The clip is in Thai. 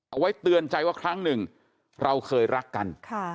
เอาไว้เตือนใจว่าครั้งหนึ่งเราเคยรักกัน